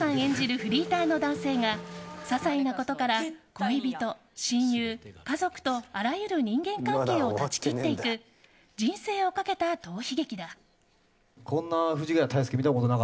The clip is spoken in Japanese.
フリーターの男性が些細なことから恋人、親友、家族とあらゆる人間関係を断ち切っていく人生をかけた逃避劇だ。